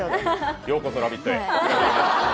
ようこそ「ラヴィット！」へ。